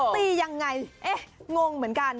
ตียังไงเอ๊ะงงเหมือนกัน